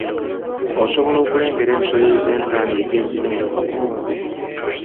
Osobola okulengera ensobi z’empandiika eziri mu bubaka obwo?